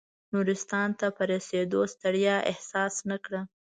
نورستان ته په رسېدو ستړیا احساس نه کړه.